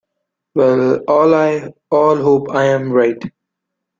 We all hope I am right.